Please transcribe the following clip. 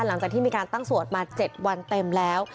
หลังจากที่มีการตั้งสวดมา๗วันเต็มแล้ว